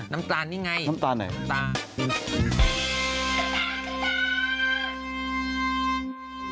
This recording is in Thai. น้ำตาลนี่ไงน้ำตาลไหนน้ำตาล